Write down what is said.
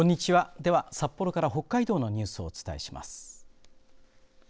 では札幌から北海道のニュースをお伝えします。